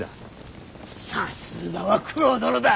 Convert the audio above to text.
さすがは九郎殿だ。